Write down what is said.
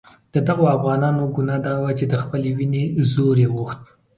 د دغو افغانانو ګناه دا وه چې د خپلې وینې زور یې غوښت.